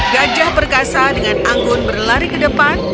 gajah perkasa dengan anggun berlari ke depan